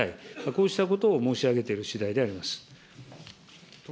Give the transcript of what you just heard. こうしたことを申し上げている次第であります。